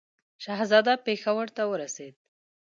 شهزاده پېښور ته ورسېدی.